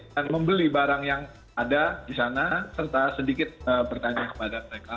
dan membeli barang yang ada di sana serta sedikit pertanyaan kepada mereka